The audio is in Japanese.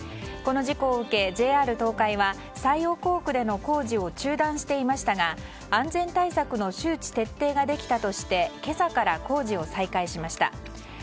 この事故を受け、ＪＲ東海は西尾工区での工事を中断していましたが安全対策の周知徹底ができたとして今朝から工事を再開しました。